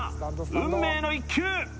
運命の１球！